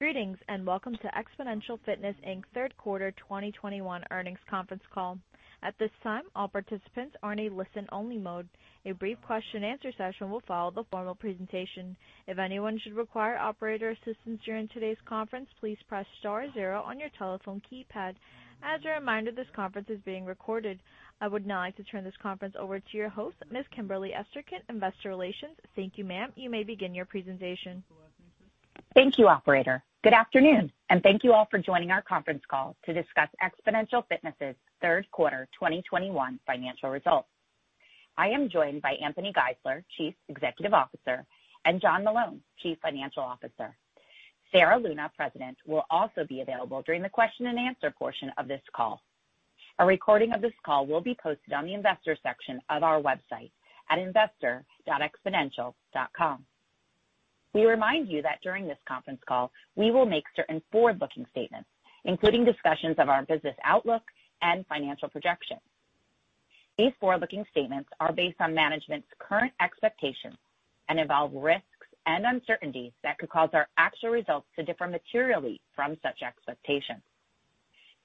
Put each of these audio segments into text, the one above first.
Greetings, and welcome to Xponential Fitness, Inc.'s Q3 2021 earnings conference call. At this time, all participants are in a listen-only mode. A brief question and answer session will follow the formal presentation. If anyone should require operator assistance during today's conference, please press star zero on your telephone keypad. As a reminder, this conference is being recorded. I would now like to turn this conference over to your host, Ms. Kimberly Esterkin, Investor Relations. Thank you, ma'am. You may begin your presentation. Thank you, operator. Good afternoon, and thank you all for joining our conference call to discuss Xponential Fitness's Q3 2021 financial results. I am joined by Anthony Geisler, Chief Executive Officer, and John Meloun, Chief Financial Officer. Sarah Luna, President, will also be available during the question and answer portion of this call. A recording of this call will be posted on the investors section of our website at investor.xponential.com. We remind you that during this conference call, we will make certain forward-looking statements, including discussions of our business outlook and financial projections. These forward-looking statements are based on management's current expectations and involve risks and uncertainties that could cause our actual results to differ materially from such expectations.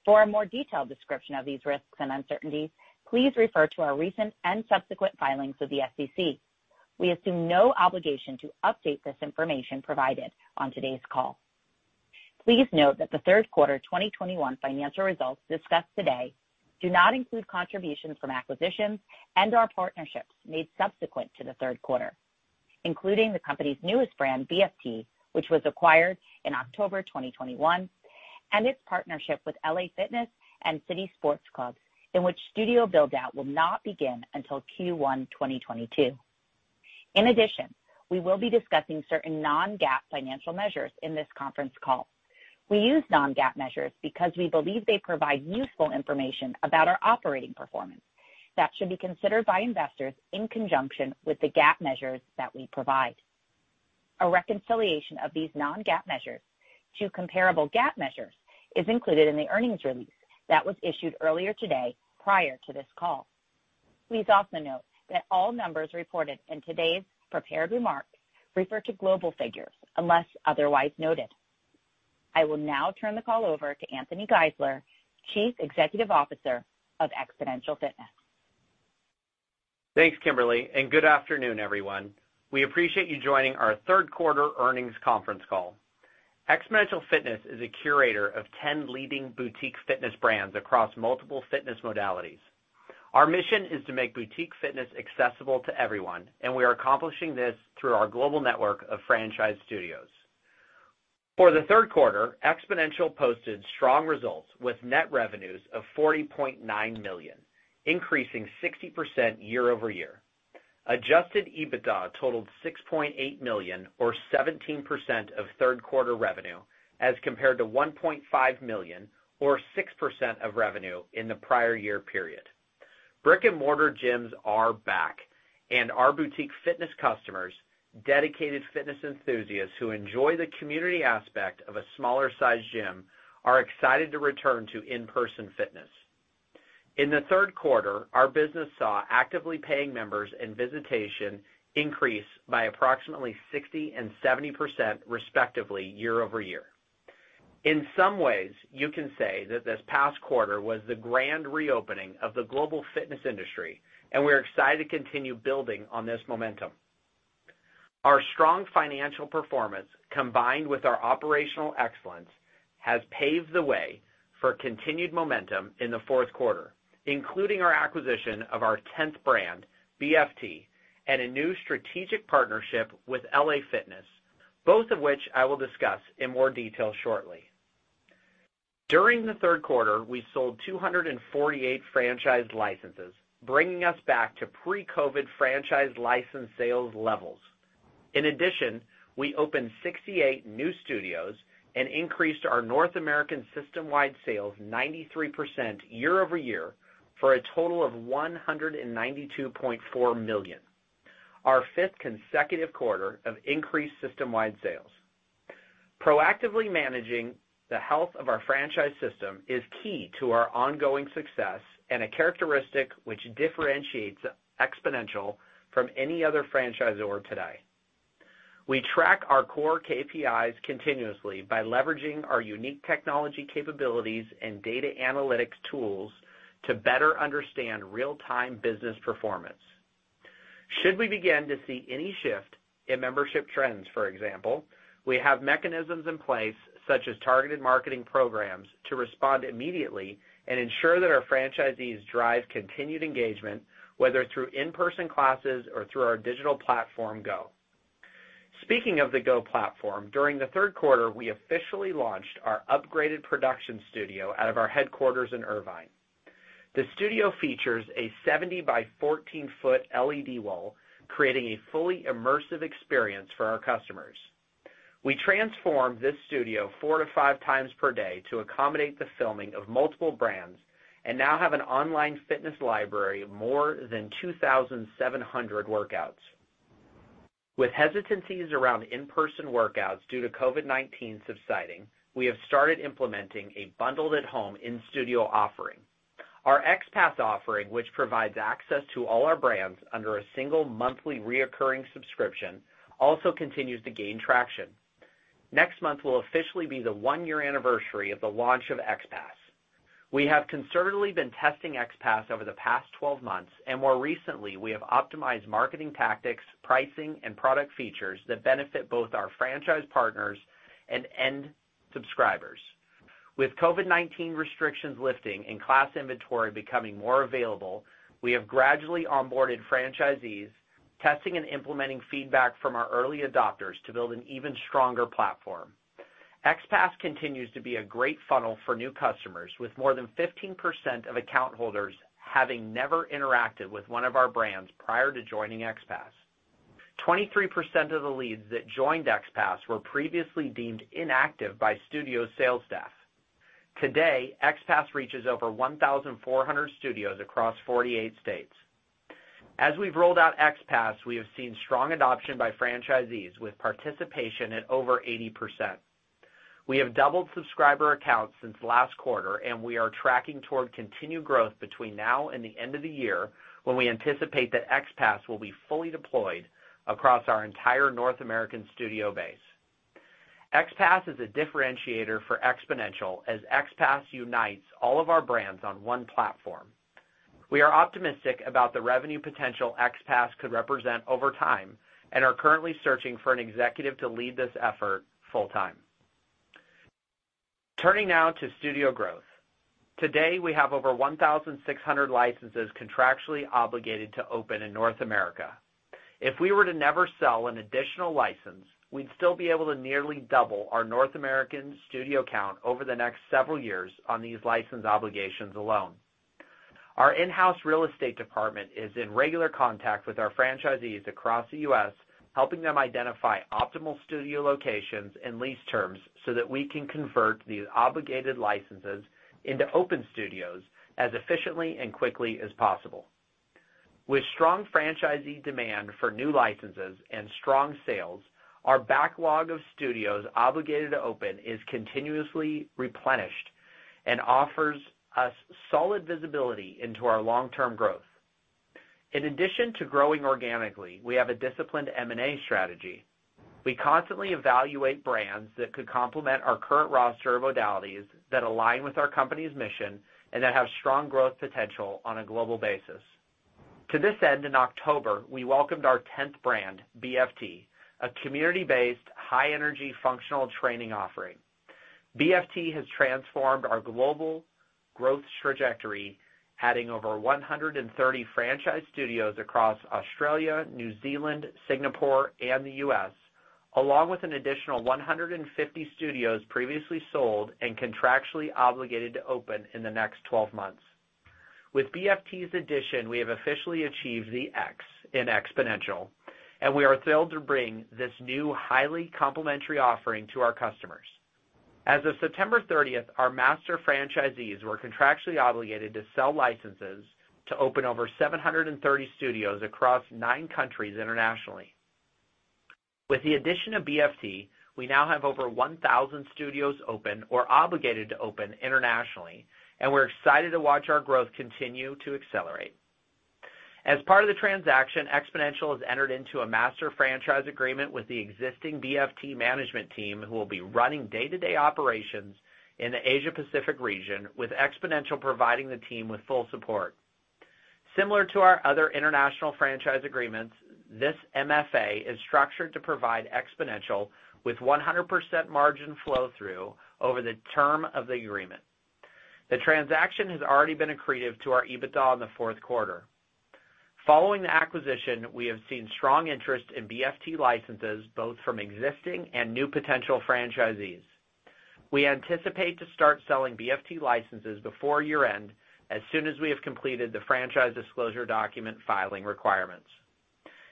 For a more detailed description of these risks and uncertainties, please refer to our recent and subsequent filings with the SEC. We assume no obligation to update this information provided on today's call. Please note that the Q3 2021 financial results discussed today do not include contributions from acquisitions and/or partnerships made subsequent to the Q3, including the company's newest brand, BFT, which was acquired in October 2021, and its partnership with LA Fitness and City Sports Club, in which studio build-out will not begin until Q1 2022. In addition, we will be discussing certain non-GAAP financial measures in this conference call. We use non-GAAP measures because we believe they provide useful information about our operating performance that should be considered by investors in conjunction with the GAAP measures that we provide. A reconciliation of these non-GAAP measures to comparable GAAP measures is included in the earnings release that was issued earlier today prior to this call. Please also note that all numbers reported in today's prepared remarks refer to global figures unless otherwise noted. I will now turn the call over to Anthony Geisler, Chief Executive Officer of Xponential Fitness. Thanks, Kimberly, and good afternoon, everyone. We appreciate you joining our Q3 earnings conference call. Xponential Fitness is a curator of ten leading boutique fitness brands across multiple fitness modalities. Our mission is to make boutique fitness accessible to everyone, and we are accomplishing this through our global network of franchise studios. For the Q3, Xponential posted strong results with net revenues of $40.9 million, increasing 60% year-over-year. Adjusted EBITDA totaled $6.8 million or 17% of Q3 revenue as compared to $1.5 million or 6% of revenue in the prior year period. Brick-and-mortar gyms are back, and our boutique fitness customers, dedicated fitness enthusiasts who enjoy the community aspect of a smaller-sized gym, are excited to return to in-person fitness. In the Q3, our business saw actively paying members and visitation increase by approximately 60% and 70%, respectively, year-over-year. In some ways, you can say that this past quarter was the grand reopening of the global fitness industry, and we're excited to continue building on this momentum. Our strong financial performance, combined with our operational excellence, has paved the way for continued momentum in the Q4, including our acquisition of our 10th, BFT, and a new strategic partnership with LA Fitness, both of which I will discuss in more detail shortly. During the Q3, we sold 248 franchise licenses, bringing us back to pre-COVID franchise license sales levels. In addition, we opened 68 new studios and increased our North American system-wide sales 93% year-over-year for a total of $192.4 million, our 5th consecutive quarter of increased system-wide sales. Proactively managing the health of our franchise system is key to our ongoing success and a characteristic which differentiates Xponential from any other franchisor today. We track our core KPIs continuously by leveraging our unique technology capabilities and data analytics tools to better understand real-time business performance. Should we begin to see any shift in membership trends, for example, we have mechanisms in place such as targeted marketing programs to respond immediately and ensure that our franchisees drive continued engagement, whether through in-person classes or through our digital platform, GO. Speaking of the GO platform, during the Q3, we officially launched our upgraded production studio out of our headquarters in Irvine. The studio features a 70 by 14-foot LED wall, creating a fully immersive experience for our customers. We transform this studio 4-5 times per day to accommodate the filming of multiple brands and now have an online fitness library of more than 2,700 workouts. With hesitancies around in-person workouts due to COVID-19 subsiding. We have started implementing a bundled at-home in-studio offering. Our XPASS offering, which provides access to all our brands under a single monthly recurring subscription, also continues to gain traction. Next month will officially be the one-year anniversary of the launch of XPASS. We have conservatively been testing XPASS over the past 12 months, and more recently we have optimized marketing tactics, pricing, and product features that benefit both our franchise partners and end subscribers. With COVID-19 restrictions lifting and class inventory becoming more available, we have gradually onboarded franchisees, testing and implementing feedback from our early adopters to build an even stronger platform. XPASS continues to be a great funnel for new customers, with more than 15% of account holders having never interacted with one of our brands prior to joining XPASS. 23% of the leads that joined XPASS were previously deemed inactive by studio sales staff. Today, XPASS reaches over 1,400 studios across 48 states. As we've rolled out XPASS, we have seen strong adoption by franchisees, with participation at over 80%. We have doubled subscriber accounts since last quarter, and we are tracking toward continued growth between now and the end of the year, when we anticipate that XPASS will be fully deployed across our entire North American studio base. XPASS is a differentiator for Xponential as XPASS unites all of our brands on one platform. We are optimistic about the revenue potential XPASS could represent over time and are currently searching for an executive to lead this effort full-time. Turning now to studio growth. Today, we have over 1,600 licenses contractually obligated to open in North America. If we were to never sell an additional license, we'd still be able to nearly double our North American studio count over the next several years on these license obligations alone. Our in-house real estate department is in regular contact with our franchisees across the U.S., helping them identify optimal studio locations and lease terms so that we can convert these obligated licenses into open studios as efficiently and quickly as possible. With strong franchisee demand for new licenses and strong sales, our backlog of studios obligated to open is continuously replenished and offers us solid visibility into our long-term growth. In addition to growing organically, we have a disciplined M&A strategy. We constantly evaluate brands that could complement our current roster of modalities that align with our company's mission and that have strong growth potential on a global basis. To this end, in October, we welcomed our 10th, BFT, a community-based, high-energy, functional training offering. BFT has transformed our global growth trajectory, adding over 130 franchise studios across Australia, New Zealand, Singapore, and the U.S., along with an additional 150 studios previously sold and contractually obligated to open in the next 12 months. With BFT's addition, we have officially achieved the X in Xponential, and we are thrilled to bring this new, highly complementary offering to our customers. As of September 30th, our master franchisees were contractually obligated to sell licenses to open over 730 studios across nine countries internationally. With the addition of BFT, we now have over 1,000 studios open or obligated to open internationally, and we're excited to watch our growth continue to accelerate. As part of the transaction, Xponential has entered into a master franchise agreement with the existing BFT management team, who will be running day-to-day operations in the Asia-Pacific region, with Xponential providing the team with full support. Similar to our other international franchise agreements, this MFA is structured to provide Xponential with 100% margin flow-through over the term of the agreement. The transaction has already been accretive to our EBITDA in the Q4. Following the acquisition, we have seen strong interest in BFT licenses, both from existing and new potential franchisees. We anticipate to start selling BFT licenses before year-end, as soon as we have completed the franchise disclosure document filing requirements.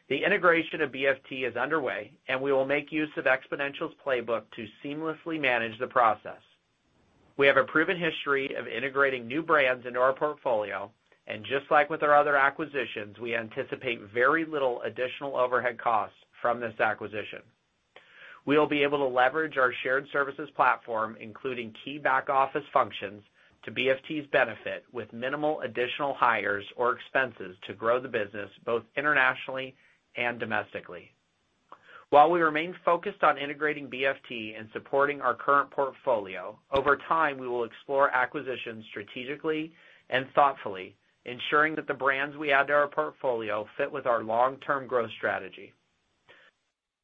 The integration of BFT is underway, and we will make use of Xponential's playbook to seamlessly manage the process. We have a proven history of integrating new brands into our portfolio, and just like with our other acquisitions, we anticipate very little additional overhead costs from this acquisition. We will be able to leverage our shared services platform, including key back-office functions, to BFT's benefit with minimal additional hires or expenses to grow the business both internationally and domestically. While we remain focused on integrating BFT and supporting our current portfolio, over time, we will explore acquisitions strategically and thoughtfully, ensuring that the brands we add to our portfolio fit with our long-term growth strategy.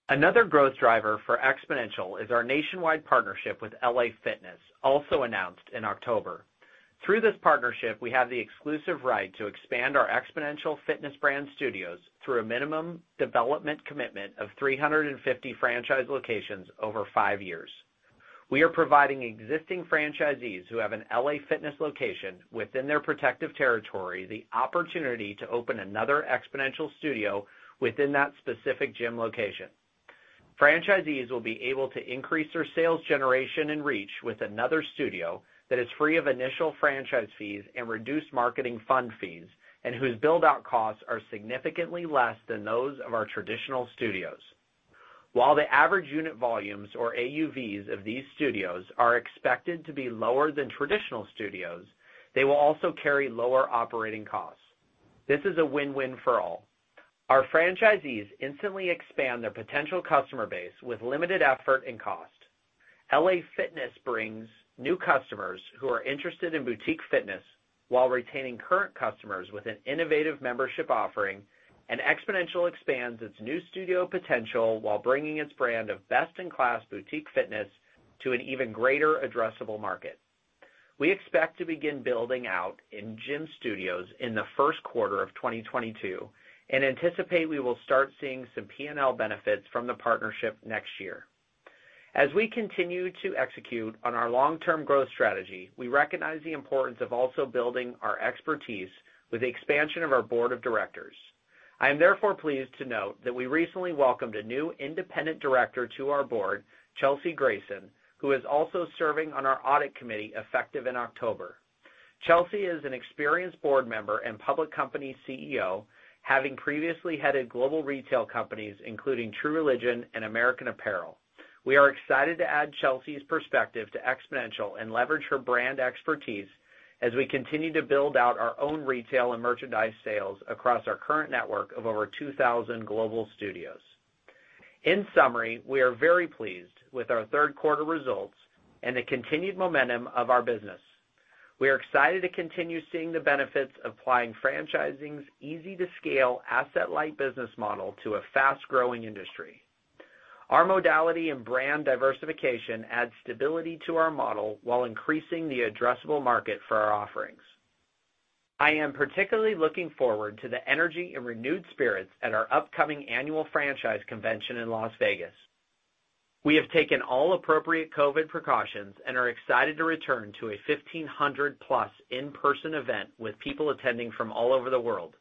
Another growth driver for Xponential is our nationwide partnership with LA Fitness, also announced in October. Through this partnership, we have the exclusive right to expand our Xponential Fitness brand studios through a minimum development commitment of 350 franchise locations over five years. We are providing existing franchisees who have an LA Fitness location within their protective territory the opportunity to open another Xponential studio within that specific gym location. Franchisees will be able to increase their sales generation and reach with another studio that is free of initial franchise fees and reduced marketing fund fees and whose build-out costs are significantly less than those of our traditional studios. While the average unit volumes or AUVs of these studios are expected to be lower than traditional studios, they will also carry lower operating costs. This is a win-win for all. Our franchisees instantly expand their potential customer base with limited effort and cost. LA Fitness brings new customers who are interested in boutique fitness while retaining current customers with an innovative membership offering, and Xponential expands its new studio potential while bringing its brand of best-in-class boutique fitness to an even greater addressable market. We expect to begin building out in gym studios in the Q1 of 2022 and anticipate we will start seeing some P&L benefits from the partnership next year. As we continue to execute on our long-term growth strategy, we recognize the importance of also building our expertise with the expansion of our board of directors. I am therefore pleased to note that we recently welcomed a new independent director to our board, Chelsea Grayson, who is also serving on our audit committee effective in October. Chelsea is an experienced board member and public company CEO, having previously headed global retail companies, including True Religion and American Apparel. We are excited to add Chelsea's perspective to Xponential and leverage her brand expertise as we continue to build out our own retail and merchandise sales across our current network of over 2,000 global studios. In summary, we are very pleased with our Q3 results and the continued momentum of our business. We are excited to continue seeing the benefits of applying franchising's easy-to-scale, asset-light business model to a fast-growing industry. Our modality and brand diversification adds stability to our model while increasing the addressable market for our offerings. I am particularly looking forward to the energy and renewed spirits at our upcoming annual franchise convention in Las Vegas. We have taken all appropriate COVID precautions and are excited to return to a 1,500+ in-person event with people attending from all over the world.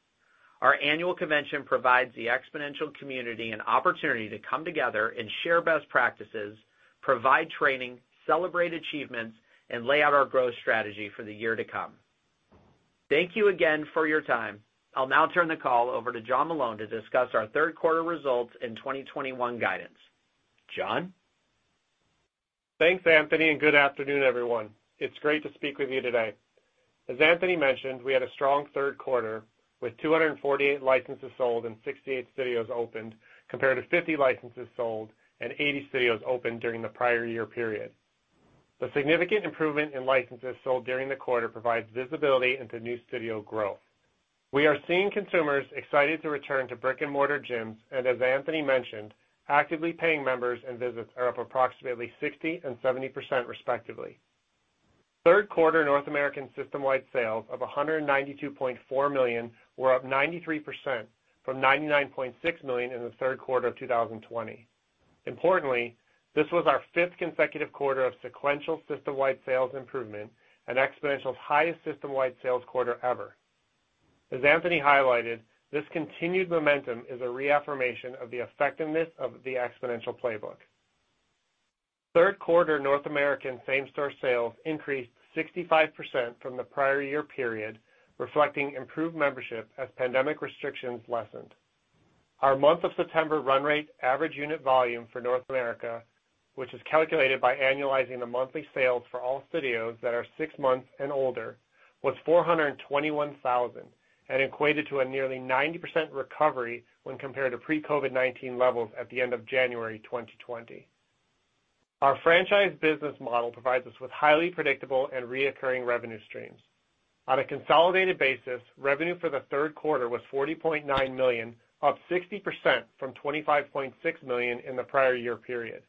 Our annual convention provides the Xponential community an opportunity to come together and share best practices, provide training, celebrate achievements, and lay out our growth strategy for the year to come. Thank you again for your time. I'll now turn the call over to John Meloun to discuss our Q3 results and 2021 guidance. John? Thanks, Anthony, and good afternoon, everyone. It's great to speak with you today. As Anthony mentioned, we had a strong Q3 with 248 licenses sold and 68 studios opened, compared to 50 licenses sold and 80 studios opened during the prior year period. The significant improvement in licenses sold during the quarter provides visibility into new studio growth. We are seeing consumers excited to return to brick-and-mortar gyms, and as Anthony mentioned, actively paying members and visits are up approximately 60% and 70% respectively. Q3 North American system-wide sales of $192.4 million were up 93% from $99.6 million in the Q3 of 2020. Importantly, this was our fifth consecutive quarter of sequential system-wide sales improvement and Xponential's highest system-wide sales quarter ever. As Anthony highlighted, this continued momentum is a reaffirmation of the effectiveness of the Xponential playbook. Q3 North American same-store sales increased 65% from the prior year period, reflecting improved membership as pandemic restrictions lessened. Our month of September run rate average unit volume for North America, which is calculated by annualizing the monthly sales for all studios that are six months and older, was 421,000 and equated to a nearly 90% recovery when compared to pre-COVID-19 levels at the end of January 2020. Our franchise business model provides us with highly predictable and recurring revenue streams. On a consolidated basis, revenue for the Q3 was $40.9 million, up 60% from $25.6 million in the prior year period.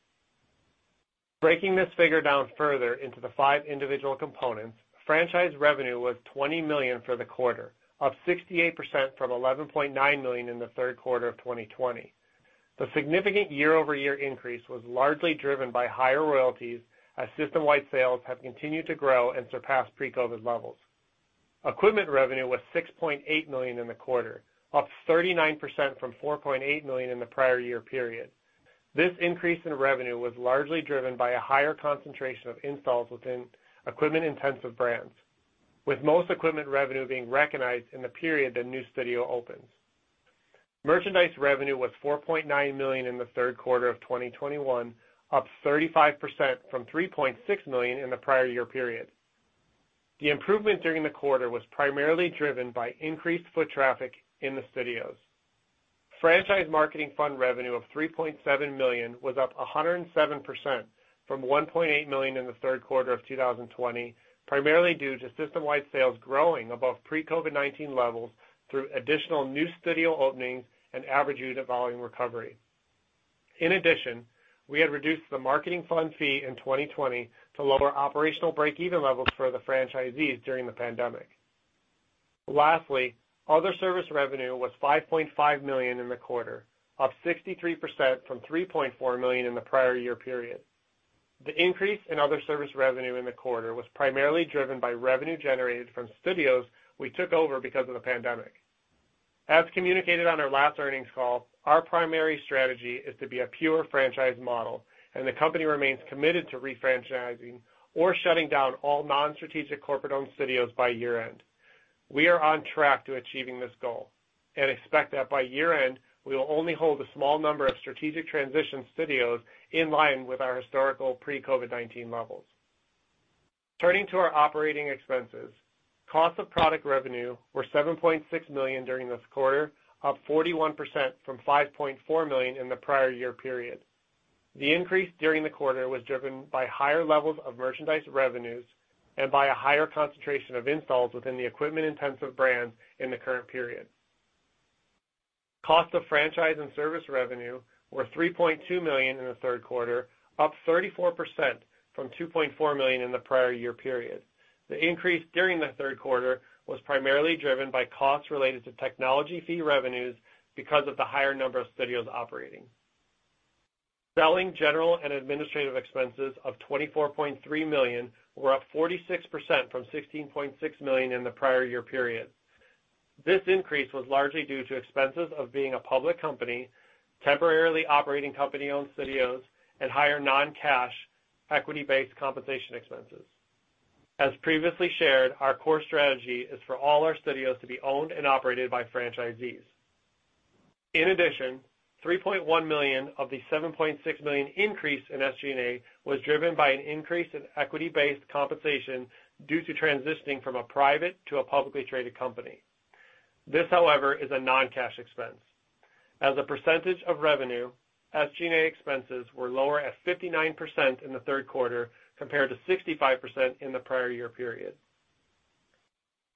Breaking this figure down further into the five individual components, franchise revenue was $20 million for the quarter, up 68% from $11.9 million in the Q3 of 2020. The significant year-over-year increase was largely driven by higher royalties as system-wide sales have continued to grow and surpass pre-COVID levels. Equipment revenue was $6.8 million in the quarter, up 39% from $4.8 million in the prior year period. This increase in revenue was largely driven by a higher concentration of installs within equipment-intensive brands, with most equipment revenue being recognized in the period the new studio opens. Merchandise revenue was $4.9 million in the Q3 of 2021, up 35% from $3.6 million in the prior year period. The improvement during the quarter was primarily driven by increased foot traffic in the studios. Franchise marketing fund revenue of $3.7 million was up 107% from $1.8 million in the Q3 of 2020, primarily due to system-wide sales growing above pre-COVID-19 levels through additional new studio openings and average unit volume recovery. In addition, we had reduced the marketing fund fee in 2020 to lower operational break-even levels for the franchisees during the pandemic. Lastly, other service revenue was $5.5 million in the quarter, up 63% from $3.4 million in the prior year period. The increase in other service revenue in the quarter was primarily driven by revenue generated from studios we took over because of the pandemic. As communicated on our last earnings call, our primary strategy is to be a pure franchise model, and the company remains committed to refranchising or shutting down all non-strategic corporate-owned studios by year-end. We are on track to achieving this goal and expect that by year-end, we will only hold a small number of strategic transition studios in line with our historical pre-COVID-19 levels. Turning to our operating expenses, cost of product revenue were $7.6 million during this quarter, up 41% from $5.4 million in the prior year period. The increase during the quarter was driven by higher levels of merchandise revenues and by a higher concentration of installs within the equipment-intensive brands in the current period. Cost of franchise and service revenue were $3.2 million in the Q3, up 34% from $2.4 million in the prior year period. The increase during the Q3 was primarily driven by costs related to technology fee revenues because of the higher number of studios operating. Selling, general, and administrative expenses of $24.3 million were up 46% from $16.6 million in the prior year period. This increase was largely due to expenses of being a public company, temporarily operating company-owned studios, and higher non-cash equity-based compensation expenses. As previously shared, our core strategy is for all our studios to be owned and operated by franchisees. In addition, $3.1 million of the $7.6 million increase in SG&A was driven by an increase in equity-based compensation due to transitioning from a private to a publicly traded company. This, however, is a non-cash expense. As a percentage of revenue, SG&A expenses were lower at 59% in the Q3 compared to 65% in the prior year period.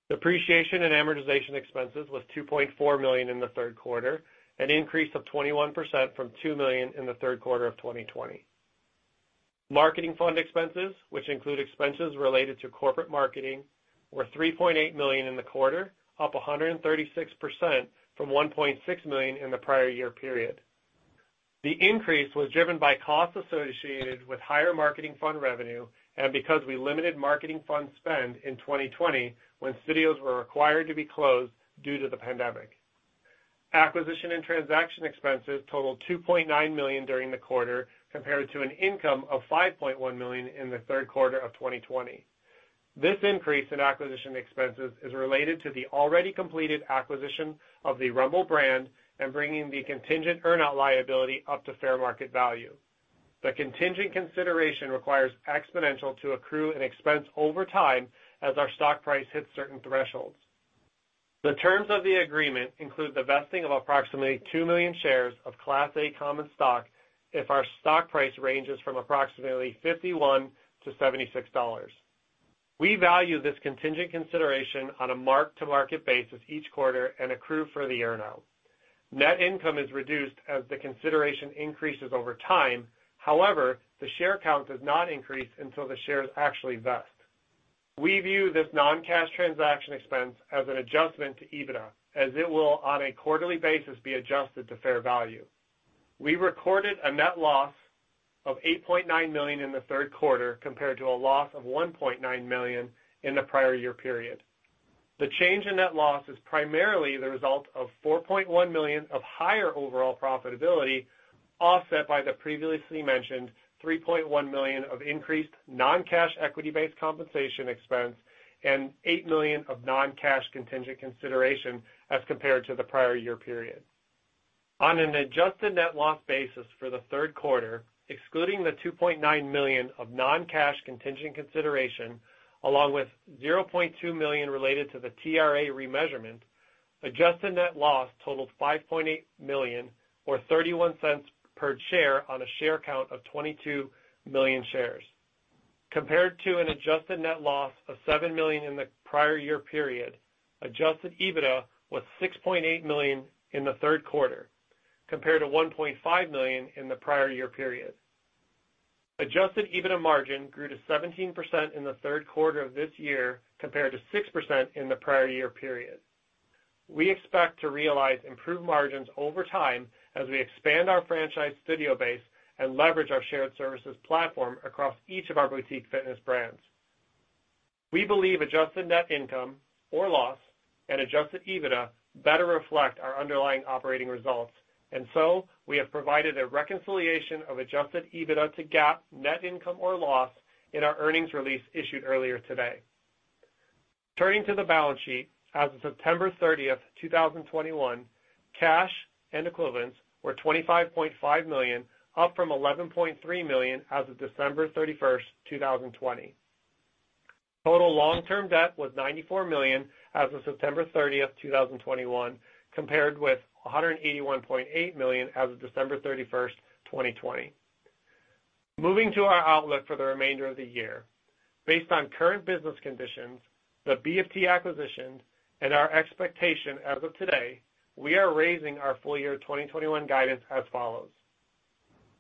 Depreciation and amortization expenses was $2.4 million in the Q3, an increase of 21% from $2 million in the Q3 of 2020. Marketing fund expenses, which include expenses related to corporate marketing, were $3.8 million in the quarter, up 136% from $1.6 million in the prior year period. The increase was driven by costs associated with higher marketing fund revenue and because we limited marketing fund spend in 2020 when studios were required to be closed due to the pandemic. Acquisition and transaction expenses totaled $2.9 million during the quarter compared to an income of $5.1 million in the Q3 of 2020. This increase in acquisition expenses is related to the already completed acquisition of the Rumble brand and bringing the contingent earn-out liability up to fair market value. The contingent consideration requires Xponential to accrue an expense over time as our stock price hits certain thresholds. The terms of the agreement include the vesting of approximately two million shares of Class A common stock if our stock price ranges from approximately $51-$76. We value this contingent consideration on a mark-to-market basis each quarter and accrue for the earn-out. Net income is reduced as the consideration increases over time. However, the share count does not increase until the shares actually vest. We view this non-cash transaction expense as an adjustment to EBITDA, as it will, on a quarterly basis, be adjusted to fair value. We recorded a net loss of $8.9 million in the Q3 compared to a loss of $1.9 million in the prior year period. The change in net loss is primarily the result of $4.1 million of higher overall profitability, offset by the previously mentioned $3.1 million of increased non-cash equity-based compensation expense and $8 million of non-cash contingent consideration as compared to the prior year period. On an adjusted net loss basis for the Q3, excluding the $2.9 million of non-cash contingent consideration along with $0.2 million related to the TRA remeasurement, adjusted net loss totaled $5.8 million or $0.31 per share on a share count of 22 million shares. Compared to an adjusted net loss of $7 million in the prior year period, adjusted EBITDA was $6.8 million in the Q3, compared to $1.5 million in the prior year period. Adjusted EBITDA margin grew to 17% in the Q3 of this year compared to 6% in the prior year period. We expect to realize improved margins over time as we expand our franchise studio base and leverage our shared services platform across each of our boutique fitness brands. We believe adjusted net income or loss and adjusted EBITDA better reflect our underlying operating results. And so we have provided a reconciliation of adjusted EBITDA to GAAP net income or loss in our earnings release issued earlier today. Turning to the balance sheet, as of September 30, 2021, cash and equivalents were $25.5 million, up from $11.3 million as of December 31, 2020. Total long-term debt was $94 million as of September 30, 2021, compared with $181.8 million as of December 31, 2020. Moving to our outlook for the remainder of the year. Based on current business conditions, the BFT acquisition, and our expectation as of today, we are raising our full year 2021 guidance as follows.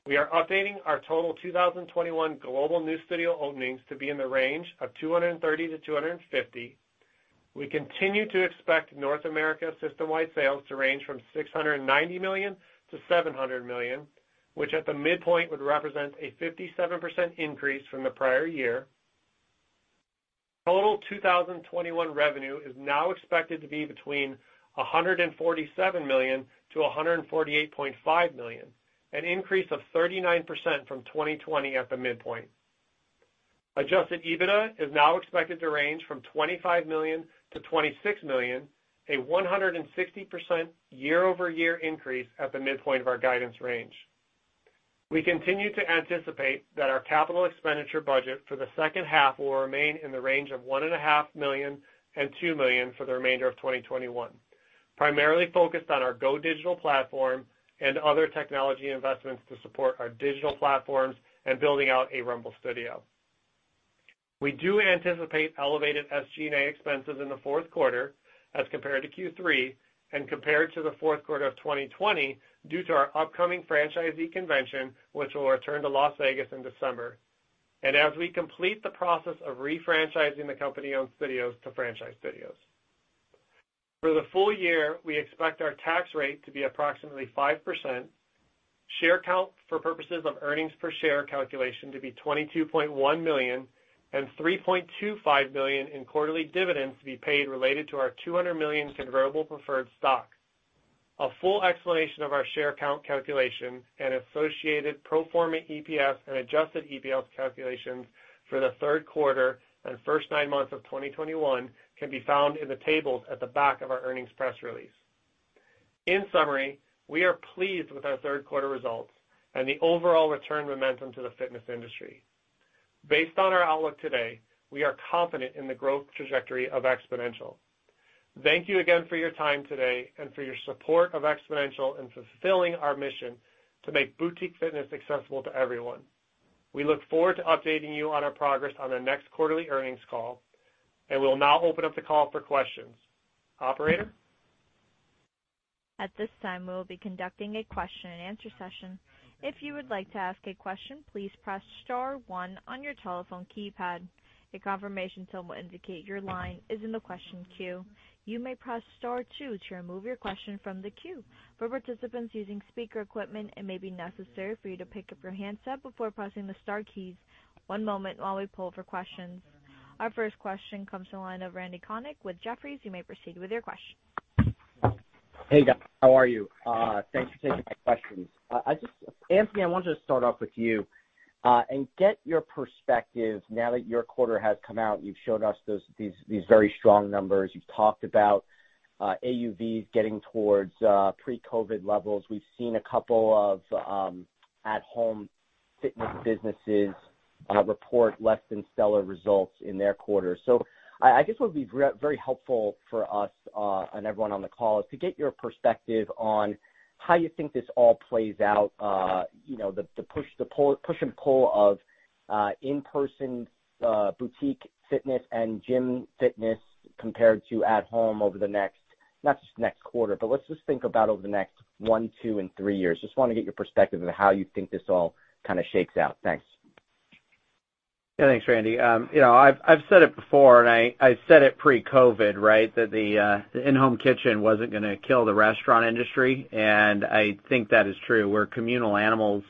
We are updating our total 2021 global new studio openings to be in the range of 230-250. We continue to expect North America system-wide sales to range from $690 million-$700 million, which at the midpoint would represent a 57% increase from the prior year. Total 2021 revenue is now expected to be between $147 million-$148.5 million, a 39% increase from 2020 at the midpoint. Adjusted EBITDA is now expected to range from $25 million-$26 million, a 160% year-over-year increase at the midpoint of our guidance range. We continue to anticipate that our capital expenditure budget for the second half will remain in the range of $1.5 million-$2 million for the remainder of 2021, primarily focused on our GO platform and other technology investments to support our digital platforms and building out a Rumble studio. We do anticipate elevated SG&A expenses in the Q4 as compared to Q3 and compared to the Q4 of 2020 due to our upcoming franchisee convention, which will return to Las Vegas in December, and as we complete the process of refranchising the company-owned studios to franchise studios. For the full year, we expect our tax rate to be approximately 5%, share count for purposes of earnings per share calculation to be 22.1 million, and $3.25 million in quarterly dividends to be paid related to our $200 million convertible preferred stock. A full explanation of our share count calculation and associated pro forma EPS and adjusted EPS calculations for the Q3 and first nine months of 2021 can be found in the tables at the back of our earnings press release. In summary, we are pleased with our Q3 results and the overall return momentum to the fitness industry. Based on our outlook today, we are confident in the growth trajectory of Xponential. Thank you again for your time today and for your support of Xponential in fulfilling our mission to make boutique fitness accessible to everyone. We look forward to updating you on our progress on our next quarterly earnings call, and we'll now open up the call for questions. Operator? At this time, we will be conducting a question-and-answer session. If you would like to ask a question, please press star one on your telephone keypad. A confirmation tone will indicate your line is in the question queue. You may press star two to remove your question from the queue. For participants using speaker equipment, it may be necessary for you to pick up your handset before pressing the star keys. One moment while we poll for questions. Our first question comes from the line of Randy Konik with Jefferies. You may proceed with your question. Hey, guys. How are you? Thanks for taking my questions. Anthony, I wanted to start off with you and get your perspective now that your quarter has come out, and you've showed us these very strong numbers. You've talked about AUVs getting towards pre-COVID levels. We've seen a couple of at-home fitness businesses report less than stellar results in their quarter. So I guess what would be really very helpful for us and everyone on the call is to get your perspective on how you think this all plays out, you know, the push and pull of in-person boutique fitness and gym fitness compared to at-home over the next, not just next quarter, but let's just think about over the next one, two, and three years. Just wanna get your perspective on how you think this all kinda shakes out. Thanks. Yeah. Thanks, Randy. You know, I've said it before, and I said it pre-COVID, right? That the in-home kitchen wasn't gonna kill the restaurant industry, and I think that is true. We're communal animals.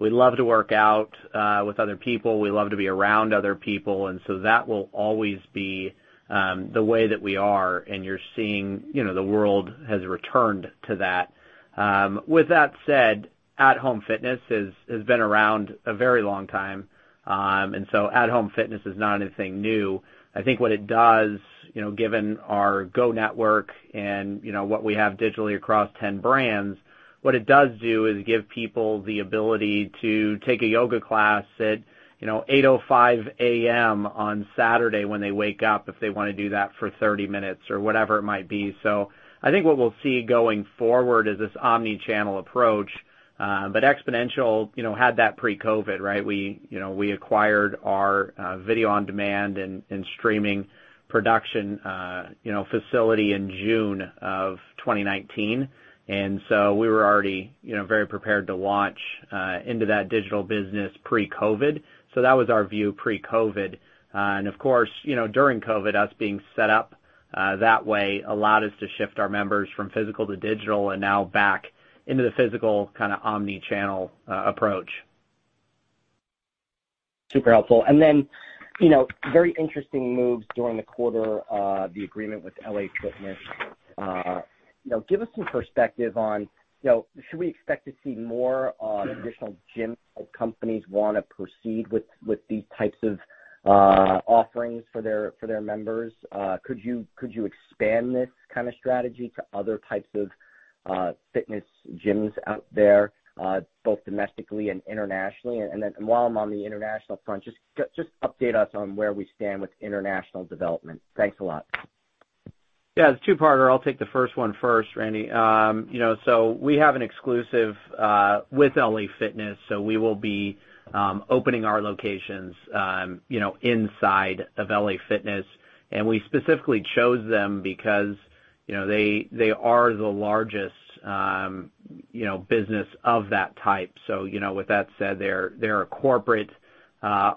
We love to work out with other people. We love to be around other people, and so that will always be the way that we are, and you're seeing, you know, the world has returned to that. With that said, at-home fitness has been around a very long time, and so at-home fitness is not anything new. I think what it does, you know, given our GO network and, you know, what we have digitally across 10 brands, what it does do is give people the ability to take a yoga class at, you know, 8:05 A.M. on Saturday when they wake up, if they wanna do that for 30 minutes or whatever it might be. So, I think what we'll see going forward is this omni-channel approach, but Xponential, you know, had that pre-COVID, right? We, you know, we acquired our video on demand and streaming production, you know, facility in June of 2019, and so we were already, you know, very prepared to launch into that digital business pre-COVID. So that was our view pre-COVID. And of course, you know, during COVID, us being set up that way allowed us to shift our members from physical to digital and now back into the physical kinda omni-channel approach. Super helpful. And then, you know, very interesting moves during the quarter, the agreement with LA Fitness. You know, give us some perspective on, you know, should we expect to see more additional gym companies wanna proceed with these types of offerings for their members? Could you, could you expand this kind of strategy to other types of fitness gyms out there, both domestically and internationally? While I'm on the international front, just update us on where we stand with international development. Thanks a lot. Yeah. It's a two-parter. I'll take the first one first, Randy. You know, we have an exclusive with LA Fitness, so we will be opening our locations, you know, inside of LA Fitness. And we specifically chose them because, you know, they are the largest, you know, business of that type. So, you know, with that said, they're a corporate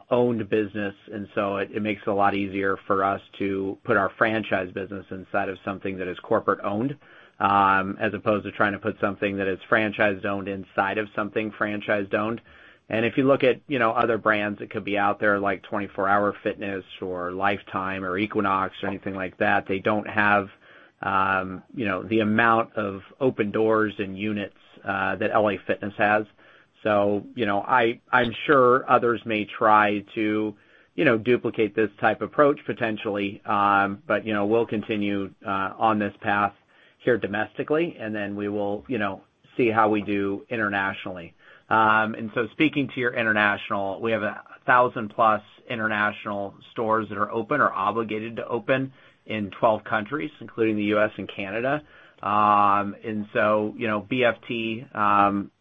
owned business, and so it makes it a lot easier for us to put our franchise business inside of something that is corporate-owned, as opposed to trying to put something that is franchise-owned inside of something franchise-owned. And if you look at, you know, other brands that could be out there, like 24 Hour Fitness or Life Time or Equinox or anything like that, they don't have, you know, the amount of open doors and units that LA Fitness has. So, you know, I'm sure others may try to, you know, duplicate this type approach potentially, but, you know, we'll continue on this path here domestically, and then we will, you know, see how we do internationally. And so speaking to your international, we have 1,000+ international stores that are open or obligated to open in 12 countries, including the U.S. and Canada. And so, you know, BFT,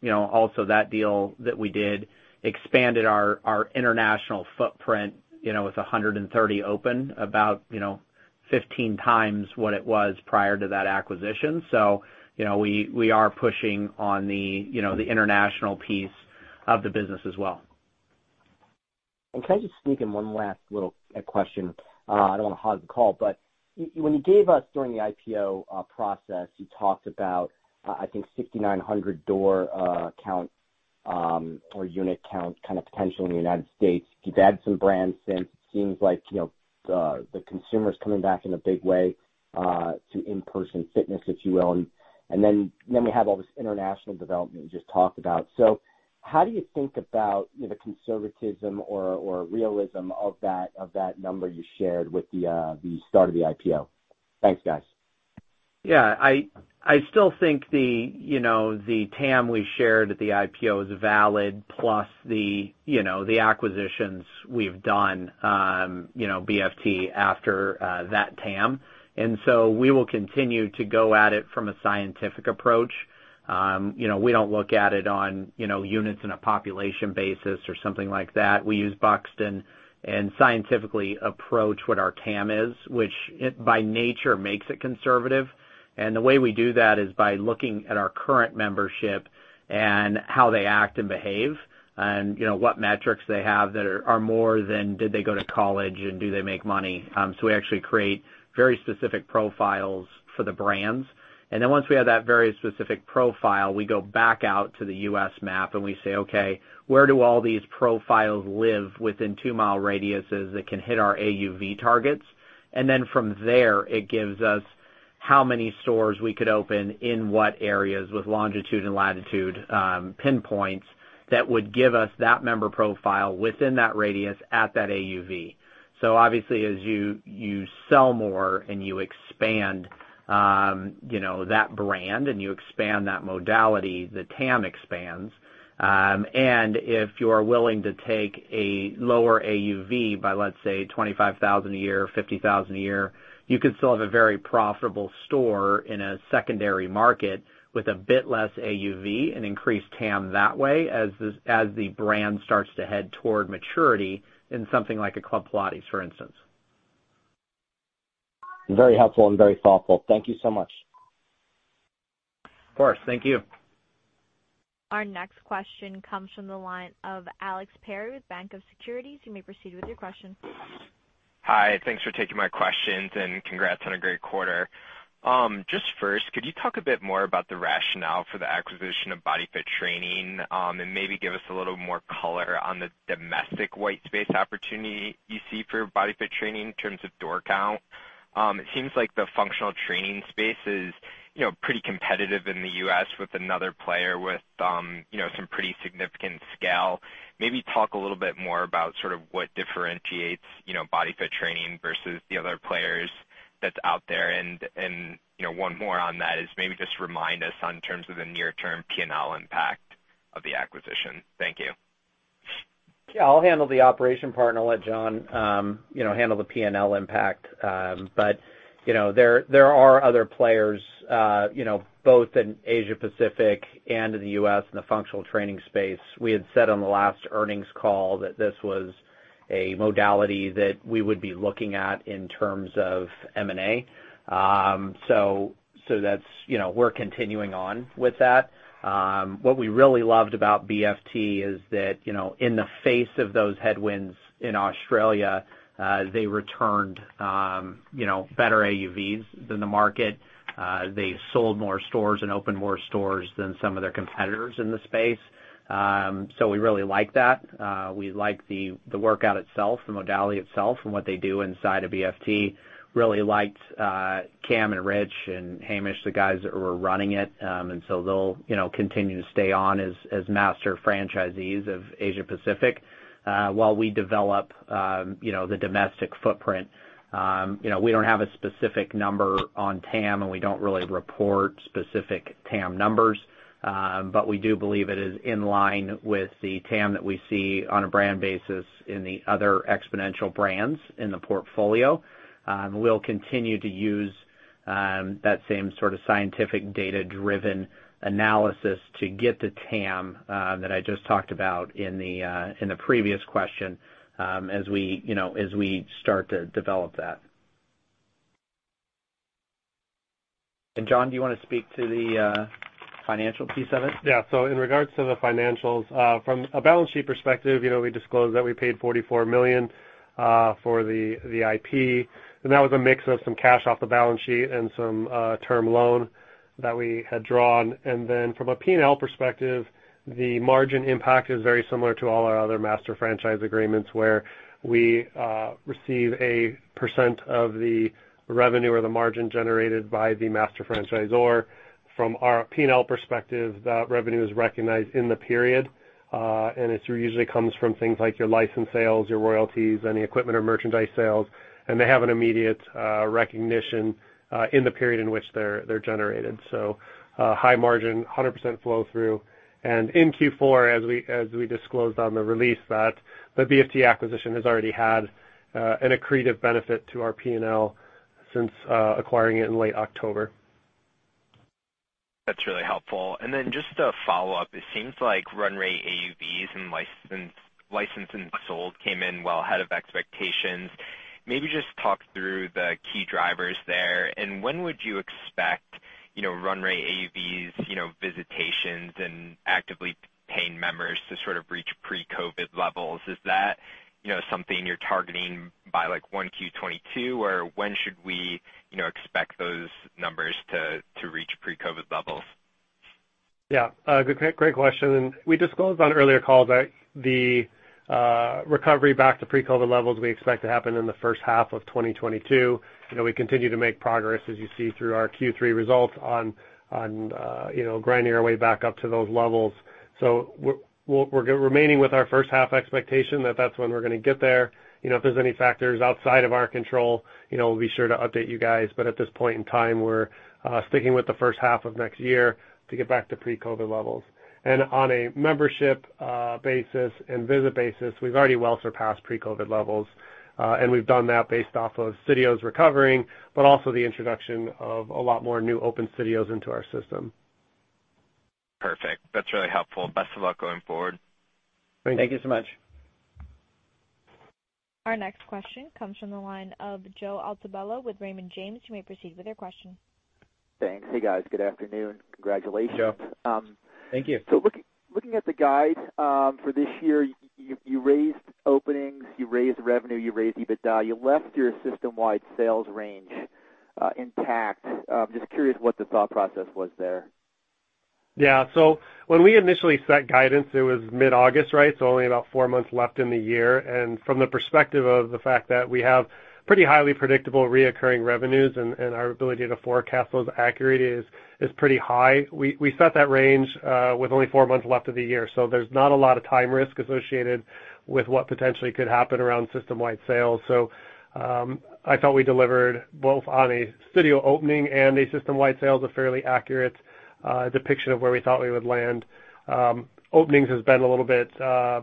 you know, also that deal that we did expanded our international footprint, you know, with 130 open about, you know, 15x what it was prior to that acquisition. You know, we are pushing on the, you know, the international piece of the business as well. Can I just sneak in one last little question? I don't wanna hog the call, but when you gave us during the IPO process, you talked about I think 6,900 door count or unit count kind of potential in the United States. You've added some brands since. It seems like, you know, the consumer's coming back in a big way to in-person fitness, if you will. And then we have all this international development you just talked about. So how do you think about the conservatism or realism of that number you shared with the start of the IPO? Thanks, guys. Yeah, I still think the, you know, the TAM we shared at the IPO is valid, plus the, you know, the acquisitions we've done, you know, BFT after that TAM. And so we will continue to go at it from a scientific approach. You know, we don't look at it on, you know, units in a population basis or something like that. We use Buxton and scientifically approach what our TAM is, which it, by nature, makes it conservative. And the way we do that is by looking at our current membership and how they act and behave, and, you know, what metrics they have that are more than did they go to college, and do they make money. We actually create very specific profiles for the brands. Once we have that very specific profile, we go back out to the U.S. map and we say, "Okay, where do all these profiles live within two-mile radiuses that can hit our AUV targets?" And then from there, it gives us how many stores we could open in what areas with longitude and latitude pinpoints that would give us that member profile within that radius at that AUV. So obviously, as you sell more and you expand, you know, that brand and you expand that modality, the TAM expands. And if you are willing to take a lower AUV by, let's say, $25,000 a year, $50,000 a year, you could still have a very profitable store in a secondary market with a bit less AUV and increase TAM that way as the brand starts to head toward maturity in something like a Club Pilates, for instance. Very helpful and very thoughtful. Thank you so much. Of course. Thank you. Our next question comes from the line of Alex Perry with BofA Securities. You may proceed with your question. Hi. Thanks for taking my questions, and congrats on a great quarter. Just first, could you talk a bit more about the rationale for the acquisition of Body Fit Training, and maybe give us a little more color on the domestic white space opportunity you see for Body Fit Training in terms of door count? It seems like the functional training space is, you know, pretty competitive in the U.S. with another player with, you know, some pretty significant scale. Maybe talk a little bit more about sort of what differentiates, you know, Body Fit Training versus the other players that's out there. And, you know, one more on that is maybe just remind us in terms of the near-term P&L impact of the acquisition. Thank you. Yeah, I'll handle the operation part and I'll let John, you know, handle the P&L impact. But, you know, there are other players, you know, both in Asia Pacific and in the U.S. in the functional training space. We had said on the last earnings call that this was a modality that we would be looking at in terms of M&A. So that's, you know, we're continuing on with that. What we really loved about BFT is that, you know, in the face of those headwinds in Australia, they returned, you know, better AUVs than the market. They sold more stores and opened more stores than some of their competitors in the space. So we really like that. We like the workout itself, the modality itself, and what they do inside of BFT. Really liked Cam and Rich and Hamish, the guys that were running it. So they'll, you know, continue to stay on as master franchisees of Asia Pacific while we develop, you know, the domestic footprint. You know, we don't have a specific number on TAM, and we don't really report specific TAM numbers, but we do believe it is in line with the TAM that we see on a brand basis in the other Xponential brands in the portfolio. We'll continue to use that same sort of scientific data-driven analysis to get the TAM that I just talked about in the previous question as we, you know, as we start to develop that. John, do you wanna speak to the financial piece of it? Yeah. So in regards to the financials, from a balance sheet perspective, you know, we disclosed that we paid $44 million for the IP, and that was a mix of some cash off the balance sheet and some term loan that we had drawn. And then from a P&L perspective, the margin impact is very similar to all our other master franchise agreements where we receive a % of the revenue or the margin generated by the master franchisor. From our P&L perspective, that revenue is recognized in the period, and it's usually comes from things like your license sales, your royalties, any equipment or merchandise sales, and they have an immediate recognition in the period in which they're generated. So high margin, 100% flow through. In Q4, as we disclosed on the release that the BFT acquisition has already had an accretive benefit to our P&L since acquiring it in late October. That's really helpful. And then just a follow-up. It seems like run rate AUVs and licenses and sold came in well ahead of expectations. Maybe just talk through the key drivers there. And when would you expect, you know, run rate AUVs, you know, visitations and actively paying members to sort of reach pre-COVID levels? Is that, you know, something you're targeting by like 1Q 2022? Or when should we, you know, expect those numbers to reach pre-COVID levels? Yeah. Great question. We disclosed on earlier calls that the recovery back to pre-COVID levels we expect to happen in the first half of 2022. You know, we continue to make progress as you see through our Q3 results on you know, grinding our way back up to those levels. So we're remaining with our first half expectation that that's when we're gonna get there. You know, if there's any factors outside of our control, you know, we'll be sure to update you guys, but at this point in time, we're sticking with the first half of next year to get back to pre-COVID levels. And on a membership basis and visit basis, we've already well surpassed pre-COVID levels, and we've done that based off of studios recovering, but also the introduction of a lot more new open studios into our system. Perfect. That's really helpful. Best of luck going forward. Thank you. Thank you so much. Our next question comes from the line of Joe Altobello with Raymond James. You may proceed with your question. Thanks. Hey, guys. Good afternoon. Congratulations. Hey Joe. Thank you. Looking at the guide, for this year, you raised openings, you raised revenue, you raised EBITDA. You left your system-wide sales range intact. Just curious what the thought process was there. Yeah. So when we initially set guidance, it was mid-August, right? Only about four months left in the year. From the perspective of the fact that we have pretty highly predictable recurring revenues and our ability to forecast those accurately is pretty high. We set that range with only four months left of the year. So there's not a lot of time risk associated with what potentially could happen around system-wide sales. So I thought we delivered both on a studio opening and a system-wide sales, a fairly accurate depiction of where we thought we would land. Openings has been a little bit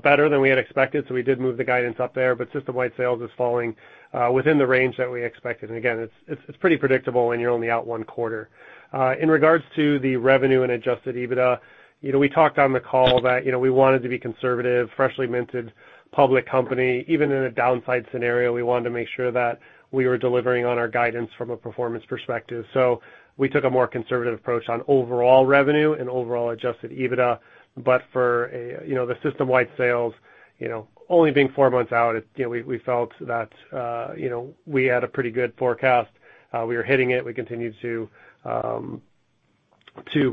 better than we had expected, so we did move the guidance up there. But system-wide sales is falling within the range that we expected. Again, it's pretty predictable when you're only out one quarter. In regards to the revenue and adjusted EBITDA, you know, we talked on the call that, you know, we wanted to be conservative, freshly minted public company. Even in a downside scenario, we wanted to make sure that we were delivering on our guidance from a performance perspective. So we took a more conservative approach on overall revenue and overall adjusted EBITDA. But for the system-wide sales, you know, only being four months out, you know, we felt that, you know, we had a pretty good forecast. We were hitting it. We continued to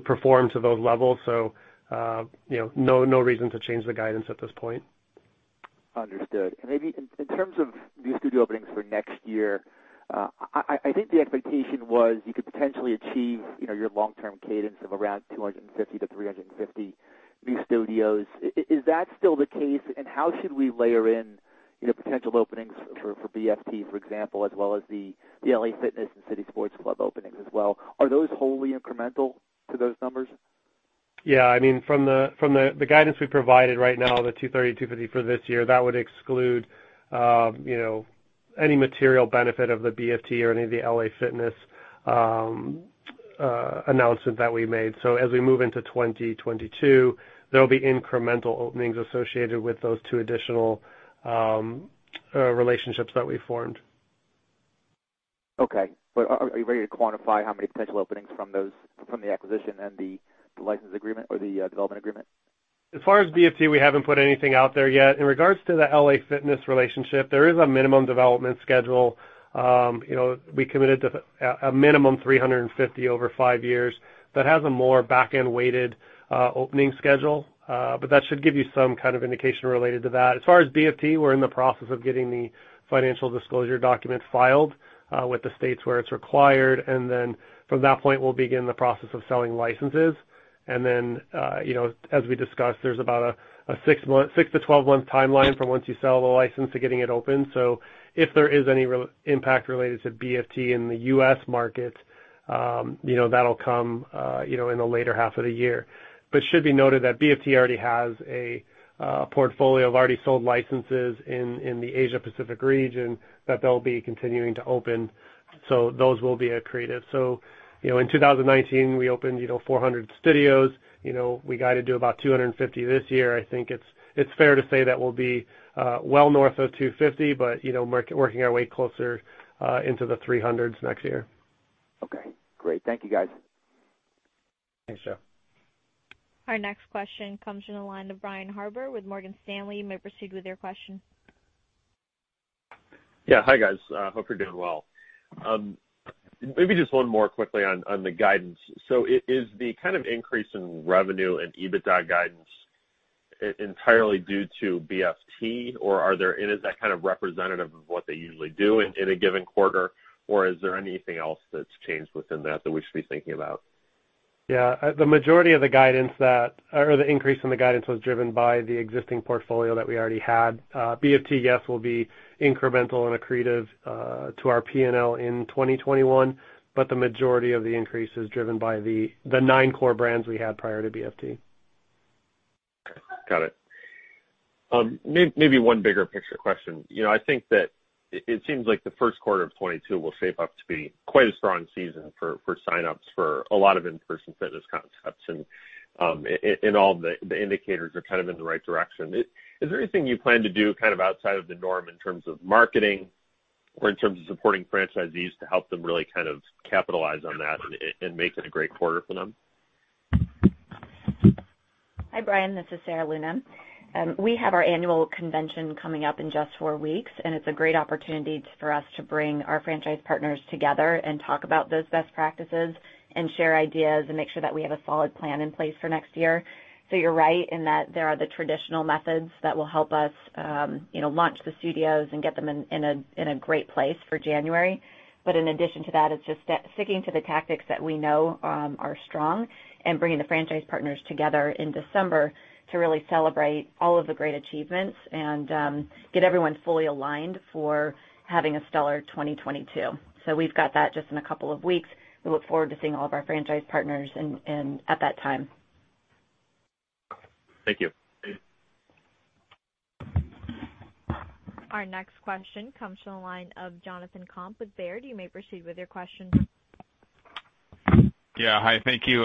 perform to those levels. So, you know, no reason to change the guidance at this point. Understood. Maybe in terms of new studio openings for next year, I think the expectation was you could potentially achieve, you know, your long-term cadence of around 250-350 new studios. Is that still the case? How should we layer in, you know, potential openings for BFT, for example, as well as the LA Fitness and City Sports Club openings as well? Are those wholly incremental to those numbers? Yeah. I mean, from the, from the guidance we provided right now, the $230-$250 for this year, that would exclude you know, any material benefit of the BFT or any of the LA Fitness announcement that we made. So as we move into 2022, there'll be incremental openings associated with those two additional relationships that we formed. Okay. Are you ready to quantify how many potential openings from the acquisition and the license agreement or the development agreement? As far as BFT, we haven't put anything out there yet. In regards to the LA Fitness relationship, there is a minimum development schedule. You know, we committed to a minimum 350 over five years. That has a more back-end-weighted opening schedule, but that should give you some kind of indication related to that. As far as BFT, we're in the process of getting the financial disclosure documents filed with the states where it's required. And then from that point, we'll begin the process of selling licenses. Then, you know, as we discussed, there's about a six to 12-month timeline from once you sell the license to getting it open. So if there is any re-impact related to BFT in the U.S. market, you know, that'll come, you know, in the later half of the year. It should be noted that BFT already has a portfolio of already sold licenses in the Asia Pacific region that they'll be continuing to open. So those will be accretive. So, you know, in 2019, we opened, you know, 400 studios. You know, we guided to about 250 this year. I think it's fair to say that we'll be, well north of 250, but, you know, working our way closer, into the 300s next year. Okay, great. Thank you, guys. Thanks, Joe. Our next question comes from the line of Brian Harbour with Morgan Stanley. You may proceed with your question. Yeah. Hi, guys. Hope you're doing well. Maybe just one more quickly on the guidance. So is the kind of increase in revenue and EBITDA guidance entirely due to BFT, or are there other factors? Is that kind of representative of what they usually do in a given quarter, or is there anything else that's changed within that that we should be thinking about? Yeah. The majority of the guidance or the increase in the guidance was driven by the existing portfolio that we already had. BFT, yes, will be incremental and accretive to our P&L in 2021, but the majority of the increase is driven by the nine core brands we had prior to BFT. Got it. Maybe one bigger picture question. You know, I think that it seems like the Q1 of 2022 will shape up to be quite a strong season for signups for a lot of in-person fitness concepts. And all the indicators are kind of in the right direction. Is there anything you plan to do kind of outside of the norm in terms of marketing or in terms of supporting franchisees to help them really kind of capitalize on that and make it a great quarter for them? Hi, Brian. This is Sarah Luna. We have our annual convention coming up in just four weeks, and it's a great opportunity for us to bring our franchise partners together and talk about those best practices and share ideas and make sure that we have a solid plan in place for next year. You're right in that there are the traditional methods that will help us, you know, launch the studios and get them in a great place for January. But in addition to that, it's just sticking to the tactics that we know are strong and bringing the franchise partners together in December to really celebrate all of the great achievements and get everyone fully aligned for having a stellar 2022. So we've got that just in a couple of weeks. We look forward to seeing all of our franchise partners at that time. Thank you. Our next question comes from the line of Jonathan Komp with Baird. You may proceed with your question. Yeah. Hi, thank you.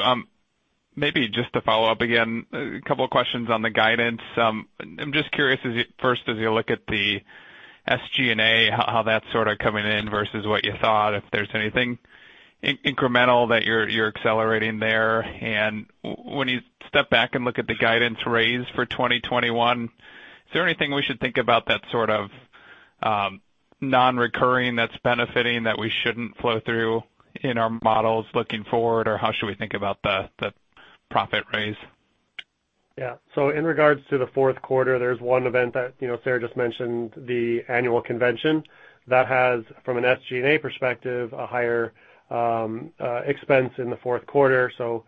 Maybe just to follow up again, a couple of questions on the guidance. I'm just curious, first, as you look at the SG&A, how that's sort of coming in versus what you thought, if there's anything incremental that you're accelerating there. And when you step back and look at the guidance raise for 2021, is there anything we should think about that's sort of non-recurring that's benefiting that we shouldn't flow through in our models looking forward? Or how should we think about the profit raise? Yeah. So in regards to the Q4, there's one event that, you know, Sarah just mentioned, the annual convention. That has, from an SG&A perspective, a higher expense in the Q4. So,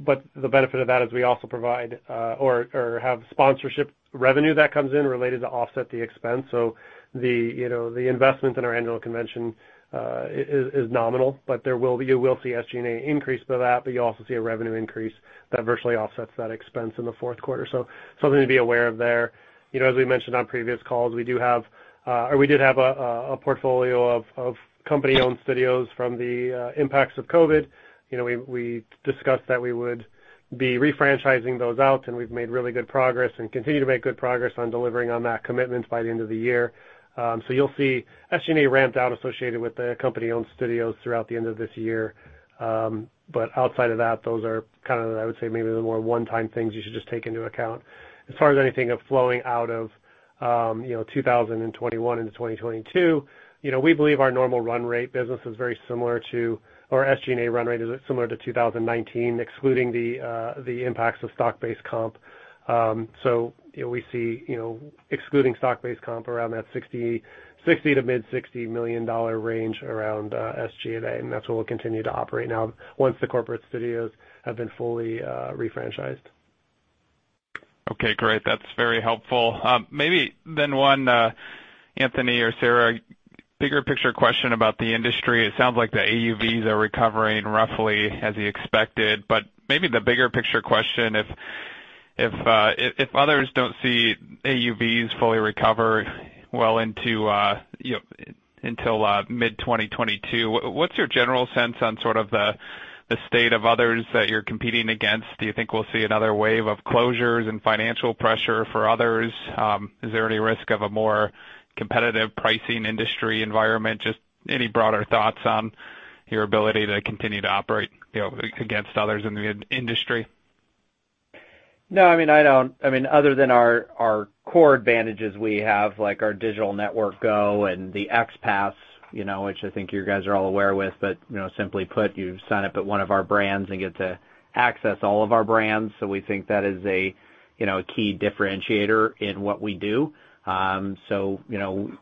but the benefit of that is we also provide, or have sponsorship revenue that comes in related to offset the expense. So the, you know, the investment in our annual convention, is nominal, but there will be. You will see SG&A increase for that, but you'll also see a revenue increase that virtually offsets that expense in the Q4. Something to be aware of there. You know, as we mentioned on previous calls, we do have, or we did have a portfolio of company-owned studios from the impacts of COVID. You know, we discussed that we would be refranchising those out, and we've made really good progress and continue to make good progress on delivering on that commitment by the end of the year. So you'll see SG&A ramp down associated with the company-owned studios throughout the end of this year. But outside of that, those are kind of, I would say, maybe the more one-time things you should just take into account. As far as anything of flowing out of, you know, 2021 into 2022, you know, we believe our normal run rate business is very similar to or SG&A run rate is similar to 2019, excluding the impacts of stock-based comp. So, you know, we see, you know, excluding stock-based comp around that $60 to mid-$60 million range around SG&A, and that's what we'll continue to operate now once the corporate studios have been fully refranchised. Okay, great. That's very helpful. Maybe then one, Anthony or Sarah, bigger picture question about the industry. It sounds like the AUVs are recovering roughly as you expected, but maybe the bigger picture question, if others don't see AUVs fully recover well into, you know, until mid-2022, what's your general sense on sort of the state of others that you're competing against? Do you think we'll see another wave of closures and financial pressure for others? Is there any risk of a more competitive pricing industry environment? Just any broader thoughts on your ability to continue to operate, you know, against others in the industry. No, I mean, I don't. I mean, other than our core advantages we have, like our digital network GO and the XPASS, you know, which I think you guys are all aware of, but, you know, simply put, you sign up at one of our brands and get to access all of our brands. So we think that is a, you know, a key differentiator in what we do. So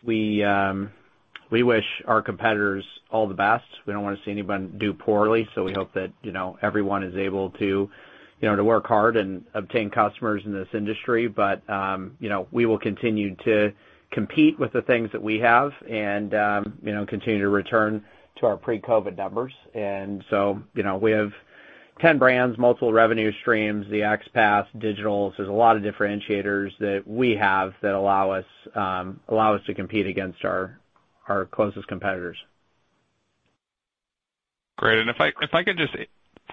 we wish our competitors all the best. We don't wanna see anyone do poorly, so we hope that, you know, everyone is able to, you know, to work hard and obtain customers in this industry. But, you know, we will continue to compete with the things that we have and, you know, continue to return to our pre-COVID numbers. And so, you know, we have 10 brands, multiple revenue streams, the XPASS, digitals. There's a lot of differentiators that we have that allow us to compete against our closest competitors. Great. If I could just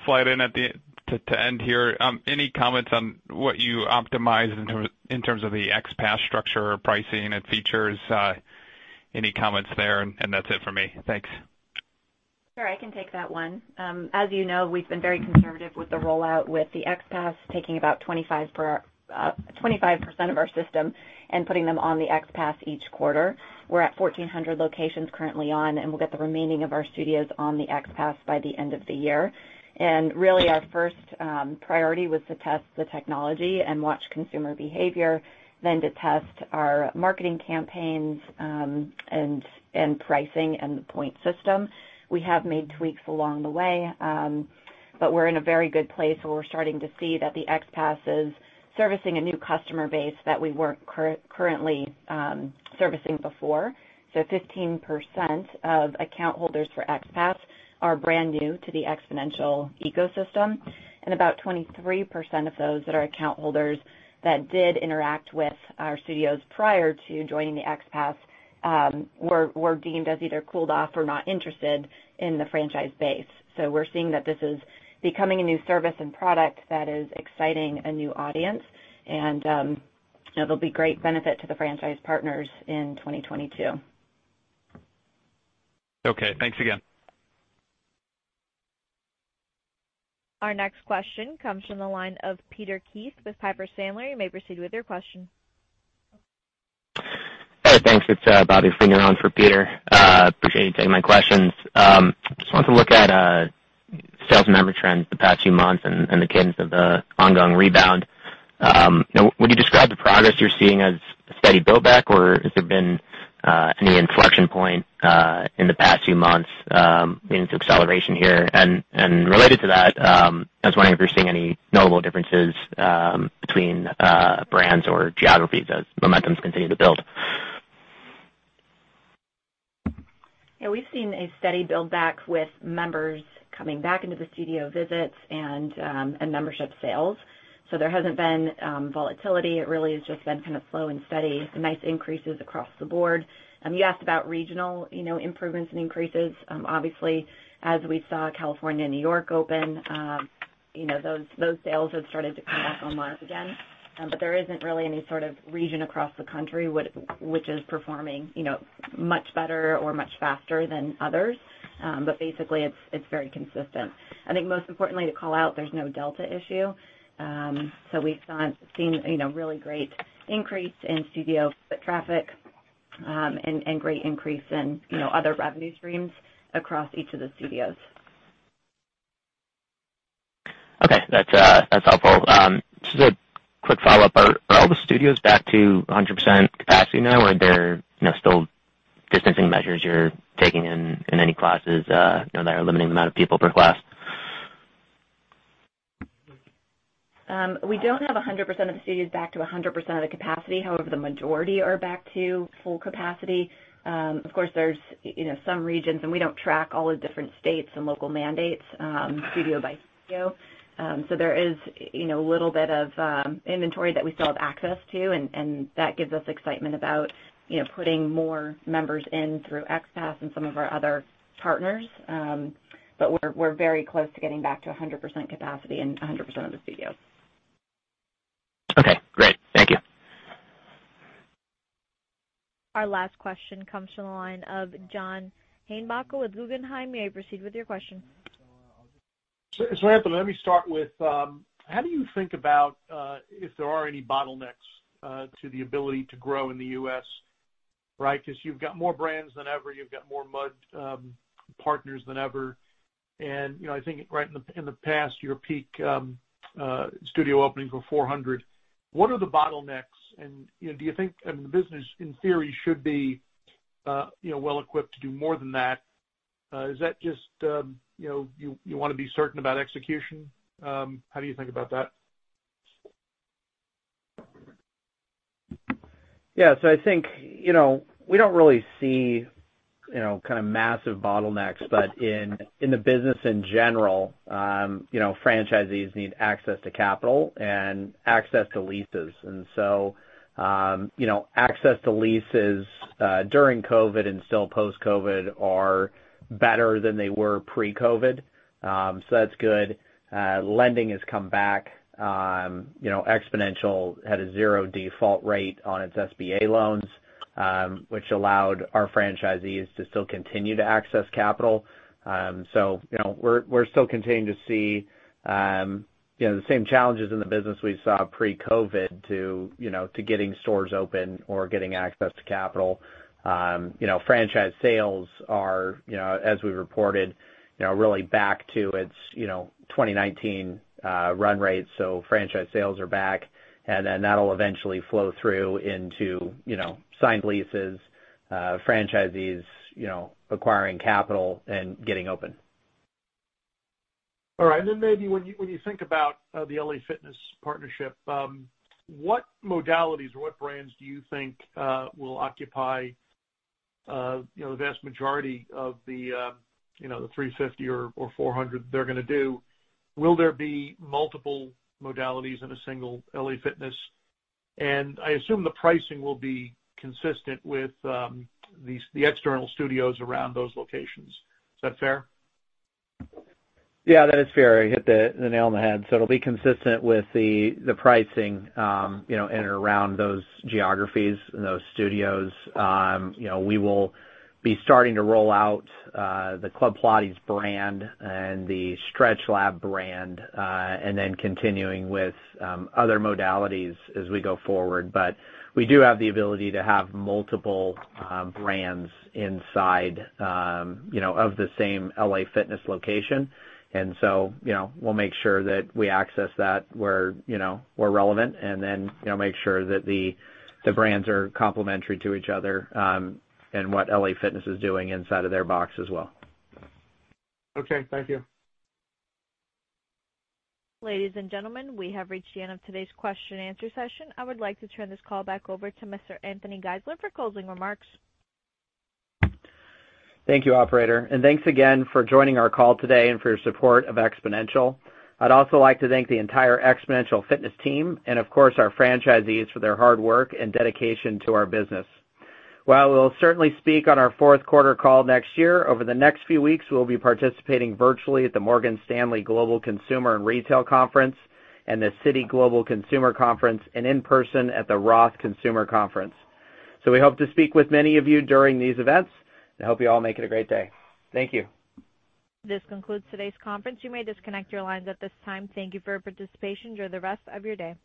slide in to end here. Any comments on what you optimize in terms of the XPASS structure or pricing and features? Any comments there? That's it for me. Thanks. Sure, I can take that one. As you know, we've been very conservative with the rollout with the XPASS, taking about 25% of our system and putting them on the XPASS each quarter. We're at 1,400 locations currently on, and we'll get the remaining of our studios on the XPASS by the end of the year. And really, our first priority was to test the technology and watch consumer behavior, then to test our marketing campaigns, and pricing and the point system. We have made tweaks along the way, but we're in a very good place where we're starting to see that the XPASS is servicing a new customer base that we weren't currently servicing before. So 15% of account holders for XPASS are brand new to the Xponential ecosystem, and about 23% of those that are account holders that did interact with our studios prior to joining the XPASS were deemed as either cooled off or not interested in the franchise base. We're seeing that this is becoming a new service and product that is exciting a new audience, and it'll be great benefit to the franchise partners in 2022. Okay. Thanks again. Our next question comes from the line of Peter Keith with Piper Sandler. You may proceed with your question. Hey, thanks. It's Bobby Friedner for Peter. Appreciate you taking my questions. Just want to look at sales and member trends the past few months and the cadence of the ongoing rebound. Would you describe the progress you're seeing as a steady buildback, or has there been any inflection point in the past few months in its acceleration here? And related to that, I was wondering if you're seeing any notable differences between brands or geographies as momentums continue to build. Yeah, we've seen a steady buildback with members coming back into the studio visits and membership sales. So there hasn't been volatility. It really has just been kind of slow and steady, some nice increases across the board. And you asked about regional improvements and increases. And obviously, as we saw California and New York open, you know, those sales have started to come back online again. There isn't really any sort of region across the country which is performing, you know, much better or much faster than others. But basically, it's very consistent. I think most importantly, to call out, there's no Delta issue. So we've not seen, you know, really great increase in studio foot traffic and great increase in, you know, other revenue streams across each of the studios. Okay. That's helpful. Just a quick follow-up. Are all the studios back to 100% capacity now or are there, you know, still distancing measures you're taking in any classes, you know, that are limiting the amount of people per class? We don't have 100% of the studios back to 100% of the capacity. However, the majority are back to full capacity. Of course, there's, you know, some regions, and we don't track all the different states and local mandates, studio by studio. So there is, you know, a little bit of inventory that we still have access to, and that gives us excitement about, you know, putting more members in through XPASS and some of our other partners. But we're very close to getting back to 100% capacity in 100% of the studios. Okay, great. Thank you. Our last question comes from the line of John Heinbockel with Guggenheim. You may proceed with your question. So, Anthony, let me start with how do you think about if there are any bottlenecks to the ability to grow in the U.S., right? 'Cause you've got more brands than ever, you've got more partners than ever. You know, I think right in the past, your peak studio openings were 400. What are the bottlenecks? You know, do you think, I mean, the business, in theory, should be you know, well equipped to do more than that. Is that just you know, you wanna be certain about execution? How do you think about that? Yeah. So I think, you know, we don't really see, you know, kind of massive bottlenecks. In the business in general, you know, franchisees need access to capital and access to leases. And so, you know, access to leases during COVID and still post-COVID are better than they were pre-COVID. That's good. Lending has come back. You know, Xponential had a zero default rate on its SBA loans, which allowed our franchisees to still continue to access capital. So, you know, we're still continuing to see, you know, the same challenges in the business we saw pre-COVID to getting stores open or getting access to capital. You know, franchise sales are, you know, as we reported, you know, really back to its 2019 run rates. Franchise sales are back, and then that'll eventually flow through into, you know, signed leases, franchisees, you know, acquiring capital and getting open. All right. Then maybe when you think about the LA Fitness partnership, what modalities or what brands do you think will occupy you know the vast majority of the you know the 350 or 400 they're gonna do? Will there be multiple modalities in a single LA Fitness? And I assume the pricing will be consistent with the external studios around those locations. Is that fair? Yeah, that is fair. You hit the nail on the head. It'll be consistent with the pricing, you know, in and around those geographies and those studios. You know, we will be starting to roll out the Club Pilates brand and the StretchLab brand and then continuing with other modalities as we go forward. But we do have the ability to have multiple brands inside you know of the same LA Fitness location. And so, you know, we'll make sure that we access that where you know we're relevant and then you know make sure that the brands are complementary to each other and what LA Fitness is doing inside of their box as well. Okay, thank you. Ladies and gentlemen, we have reached the end of today's question and answer session. I would like to turn this call back over to Mr. Anthony Geisler for closing remarks. Thank you, operator, and thanks again for joining our call today and for your support of Xponential. I'd also like to thank the entire Xponential Fitness team and, of course, our franchisees for their hard work and dedication to our business. While we'll certainly speak on our Q4 call next year, over the next few weeks, we'll be participating virtually at the Morgan Stanley Global Consumer and Retail Conference and the Citi Global Consumer Conference and in person at the Roth Consumer Conference. So we hope to speak with many of you during these events and hope you all make it a great day. Thank you. This concludes today's conference. You may disconnect your lines at this time. Thank you for your participation. Enjoy the rest of your day.